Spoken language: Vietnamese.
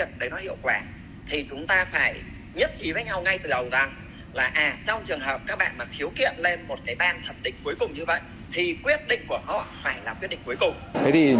thế thì những cái